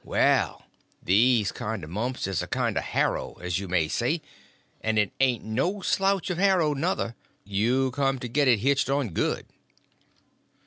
Well, these kind of mumps is a kind of a harrow, as you may say—and it ain't no slouch of a harrow, nuther, you come to get it hitched on good."